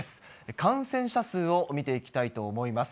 感染者数を見ていきたいと思います。